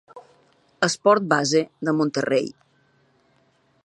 Esport base de Monterrey.